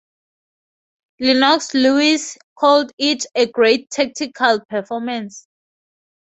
Lennox Lewis called it "a great tactical performance".